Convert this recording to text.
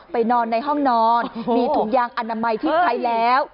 นอนในห้องนอนมีถุงยางอนามัยที่ใช้แล้ว